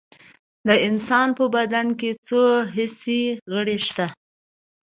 د انسان په بدن کې څو حسي غړي شته